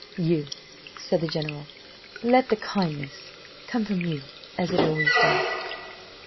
"You," said the general, "let the kindness come from you, as it always does."